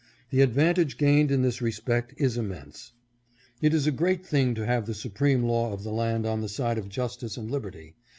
The advantage gained in this respect is immense. It is a great thing to have the supreme law of the land on the side of justice and liberty.